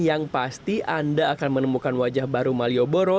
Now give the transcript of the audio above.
yang pasti anda akan menemukan wajah baru malioboro